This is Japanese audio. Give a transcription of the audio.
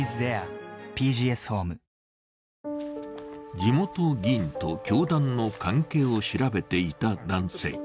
地元議員と教団の関係を調べていた男性。